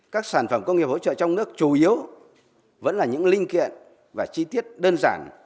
các sản phẩm công nghiệp hỗ trợ trong nước chủ yếu vẫn là những linh kiện và chi tiết đơn giản